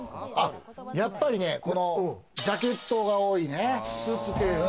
やっぱりね、ジャケットが多いね。